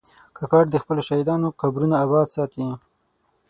کاکړ د خپلو شهیدانو قبرونه آباد ساتي.